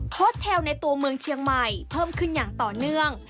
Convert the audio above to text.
สเทลในตัวเมืองเชียงใหม่เพิ่มขึ้นอย่างต่อเนื่อง